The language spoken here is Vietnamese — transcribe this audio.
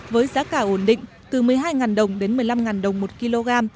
với giá cả ổn định từ một mươi hai đồng đến một mươi năm đồng một kg